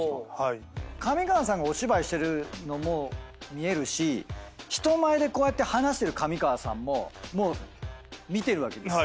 上川さんがお芝居してるのも見えるし人前でこうやって話してる上川さんももう見てるわけですよ。